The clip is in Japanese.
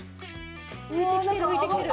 浮いてきてる浮いてきてる。